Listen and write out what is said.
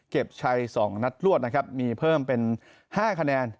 ชัย๒นัดรวดนะครับมีเพิ่มเป็น๕คะแนน